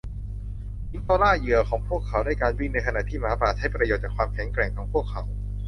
สิงโตล่าเหยื่อของพวกเขาด้วยการวิ่งในขณะที่หมาป่าใช้ประโยชน์จากความแข็งแกร่งของพวกเขา